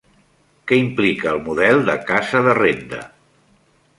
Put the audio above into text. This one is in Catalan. Què implica el model de "casa de renda"?